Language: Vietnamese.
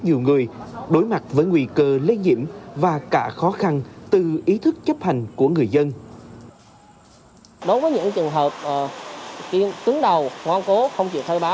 rất nhiều người đối mặt với nguy cơ lây nhiễm và cả khó khăn từ ý thức chấp hành của người dân